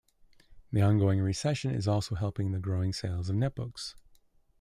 The ongoing recession is also helping with the growing sales of netbooks.